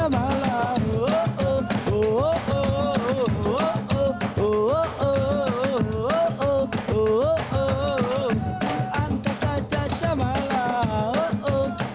m ultrasound dia samalah